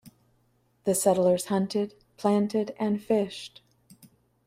The settlers hunted, planted and fished.